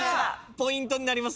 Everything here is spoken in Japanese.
ポイントになります